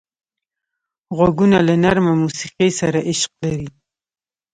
غوږونه له نرمه موسیقۍ سره عشق لري